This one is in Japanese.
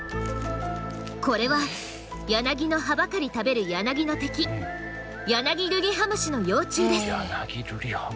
これはヤナギの葉ばかり食べるヤナギルリハムシの幼虫。